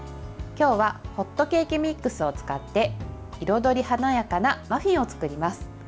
今日はホットケーキミックスを使って彩り華やかなマフィンを作ります。